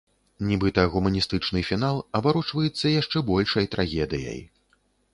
Нібыта гуманістычны фінал абарочвацца яшчэ большай трагедыяй.